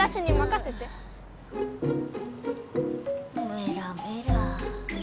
メラメラ。